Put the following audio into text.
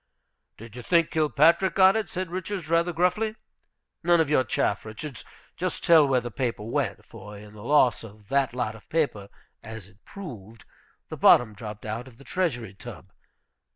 "Did you think Kilpatrick got it?" said Richards, rather gruffly. "None of your chaff, Richards. Just tell where the paper went, for in the loss of that lot of paper, as it proved, the bottom dropped out of the Treasury tub.